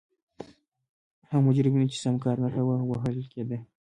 هغو مجرمینو چې سم کار نه کاوه وهل کېدل.